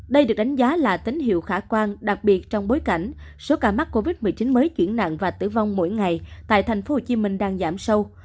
đây được đánh giá là tín hiệu khả quan đặc biệt trong bối cảnh số ca mắc covid một mươi chín mới chuyển nạn và tử vong mỗi ngày tại thành phố hồ chí minh đang giảm sâu